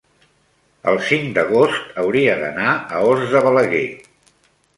el cinc d'agost hauria d'anar a Os de Balaguer.